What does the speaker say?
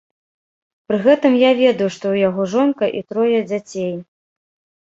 Пры гэтым я ведаю, што ў яго жонка і трое дзяцей.